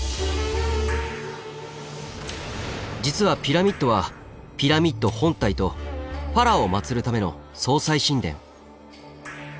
実はピラミッドはピラミッド本体とファラオを祀るための葬祭神殿。